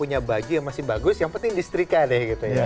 kalau saya punya baju yang masih bagus yang penting listrika deh